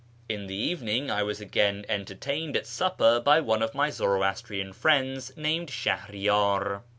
In the evening I was again entertained at supper by one of my Zoroastrian friends named Shahriyar.